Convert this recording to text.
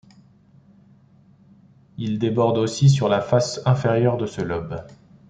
Il déborde aussi sur la face inférieure de ce lobe.